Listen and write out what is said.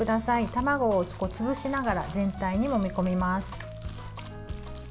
卵を潰しながら全体に、もみ込みます。